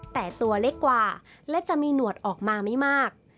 แต่ตัวเล็กกว่าและจะมีหนวดออกมาไม่มาก